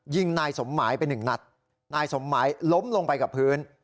ยิงนายสมหมายไปหนึ่งนัดนายสมหมายล้มลงไปกับพื้น